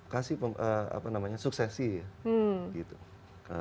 kasih suksesi ya